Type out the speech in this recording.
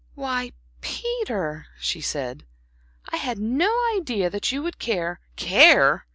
"Why, Peter," she said, "I had no idea that you would care" "Care!"